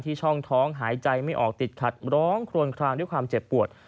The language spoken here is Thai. ช่องท้องหายใจไม่ออกติดขัดร้องครวนคลางด้วยความเจ็บปวด